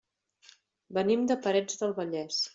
Venim de Parets del Vallès.